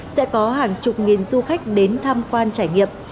sẽ có hàng chục nghìn du khách đến tham quan trải nghiệm